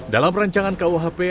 dalam rancangan kuhp